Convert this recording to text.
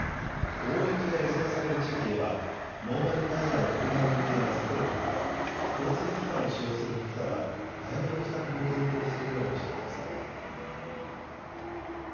大雪が予想される地域ではノーマルタイヤの車の運転は避けるほか交通機関を使用する方は早めの帰宅も検討するようにしてください。